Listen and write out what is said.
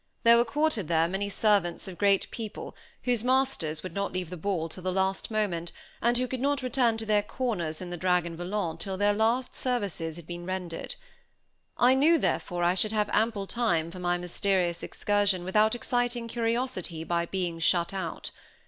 There were quartered there many servants of great people, whose masters would not leave the ball till the last moment, and who could not return to their corners in the Dragon Volant till their last services had been rendered. I knew, therefore, I should have ample time for my mysterious excursion without exciting curiosity by being shut out.